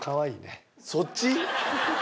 そっち？